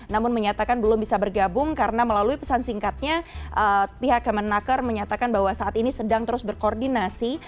namun menyatakan belum bisa bergabung karena melalui pesan singkatnya pihak kemenaker menyatakan bahwa saat ini sedang terus berkoordinasi